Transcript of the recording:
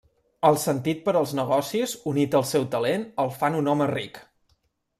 El sentit per als negocis, unit al seu talent, el fan un home ric.